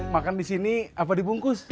makan di sini apa dibungkus